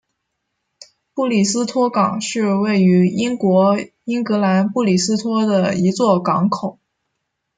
布里斯托港是位于英国英格兰布里斯托的一座港口。